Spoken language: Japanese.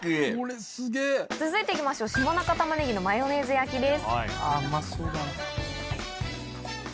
続いていきましょう下中たまねぎのマヨネーズ焼きです。